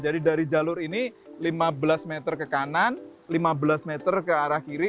jadi dari jalur ini lima belas meter ke kanan lima belas meter ke arah kiri